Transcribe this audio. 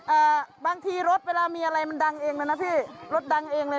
อ่าบางทีรถเวลามีอะไรมันดังเองเลยนะพี่รถดังเองเลย